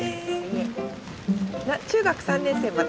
中学３年生まで？